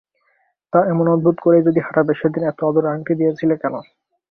তা, এমন অদ্ভুত করেই যদি হারাবে, সেদিন এত আদরে আংটি দিয়েছিলে কেন।